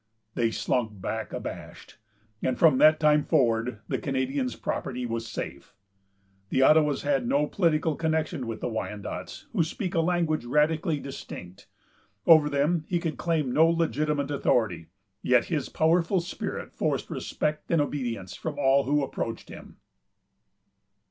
They slunk back abashed; and from that time forward the Canadian's property was safe. The Ottawas had no political connection with the Wyandots, who speak a language radically distinct. Over them he could claim no legitimate authority; yet his powerful spirit forced respect and obedience from all who approached him.